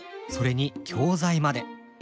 それに教材まで。